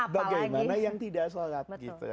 bagaimana yang tidak sholat